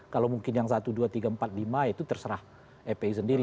kalau mungkin yang satu dua tiga empat lima itu terserah fpi sendiri